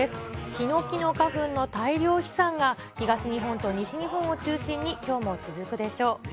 ヒノキの花粉の大量飛散が東日本と西日本を中心にきょうも続くでしょう。